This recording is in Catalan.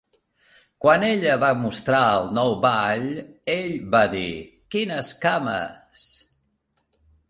Quan ella va mostrar el nou ball, ell va dir: "Quines cames!"